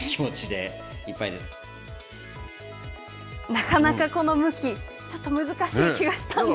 なかなかこの向きちょっと難しい気がしたんですが。